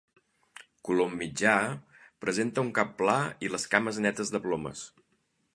Colom mitjà, presenta un cap pla i les cames netes de plomes.